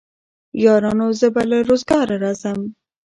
يارانو زه به له روزګاره راځم